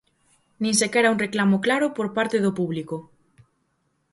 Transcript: Nin sequera un reclamo claro por parte do público.